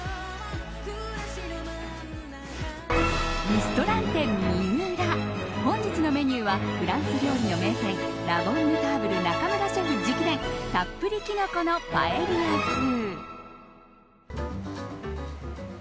リストランテＭＩＵＲＡ本日のメニューはフランス料理の名店ラ・ボンヌターブル中村シェフ直伝たっぷりキノコのパエリア風。